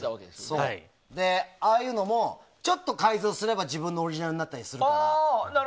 ああいうのもちょっと改造すれば自分のオリジナルになったりするから。